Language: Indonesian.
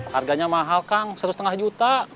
harganya mahal kang satu lima juta